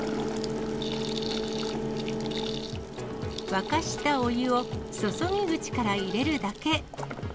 沸かしたお湯を注ぎ口から入れるだけ。